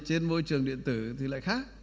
trên môi trường điện tử thì lại khác